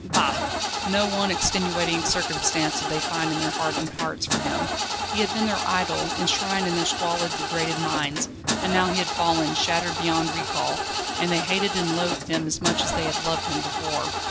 Bah!!! Not one extenuating circumstance did they find in their hardened hearts for him. He had been their idol, enshrined in their squalid, degraded minds, and now he had fallen, shattered beyond recall, and they hated and loathed him as much as they had loved him before.